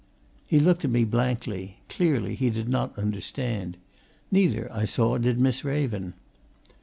He looked at me blankly clearly, he did not understand. Neither, I saw, did Miss Raven.